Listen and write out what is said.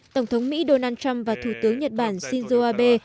tổng thống mỹ donald trump và thủ tướng nhật bản shinzo abe